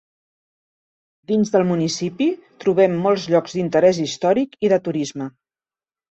Dins del municipi trobem molts llocs d'interès històric i de turisme.